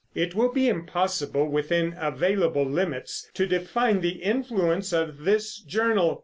It will be impossible within available limits to define the influence of this journal.